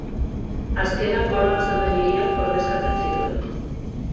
Azkenak koroan zeuden hiriak ordezkatzen zituen.